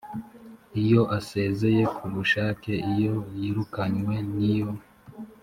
iyo asezeye ku bushake iyo yirukanywe n iyo